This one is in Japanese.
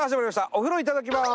「お風呂いただきます」。